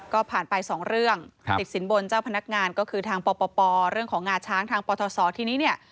ก็ผ่านไปสองเรื่องติดสินบนเจ้าพนักงานก็คือทางปปเรื่องของงาช้างทางปทศทีนี้เนี่ย